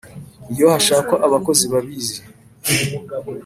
iyo hashakwa abakozi babizi